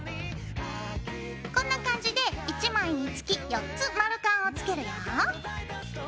こんな感じで１枚につき４つ丸カンをつけるよ。